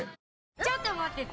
ちょっと持ってて。